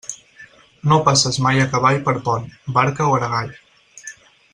No passes mai a cavall per pont, barca o aragall.